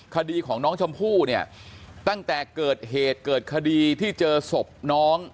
คดีของน้องชมพู่เนี่ยตั้งแต่เกิดเหตุเกิดคดีที่เจอศพน้อง